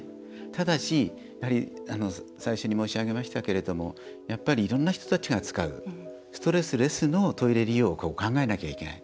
ただし最初に申し上げましたけどやっぱり、いろんな人たちが使うストレスレスのトイレ利用を考えなきゃいけない。